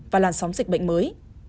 và làn sóng dịch bệnh mới